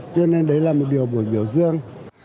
cho nên đấy là một điều buổi biểu dương